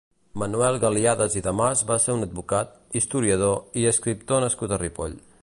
Manuel Galadies i de Mas va ser un advocat, historiador i escriptor nascut a Ripoll.